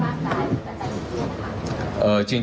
แต่ถ้าการบ่งชี้ได้มากกว่าอาจจะเป็นตัวที่สุดนะครับ